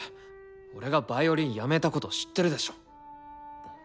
俺がヴァイオリンやめたこと知ってるでしょ。